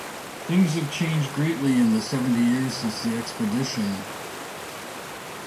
Things have changed greatly in the seventy years since the expedition.